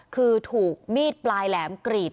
คือถูกมีดปลายแหลมกรีด